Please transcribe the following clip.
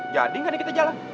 jadi gak nih kita jalan